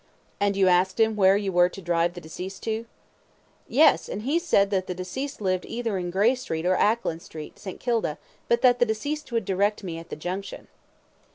Q. And you asked him where you were to drive the deceased to? A. Yes; and he said that the deceased lived either in Grey Street or Ackland Street, St. Kilda, but that the deceased would direct me at the Junction.